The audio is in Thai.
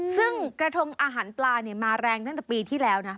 ซึ่งกระทงอาหารปลามาแรงตั้งแต่ปีที่แล้วนะ